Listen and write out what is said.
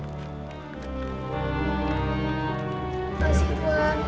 terima kasih tuhan